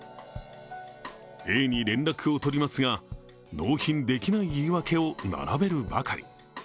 Ａに連絡を取りますが、納品できない言い訳を並べるばかり。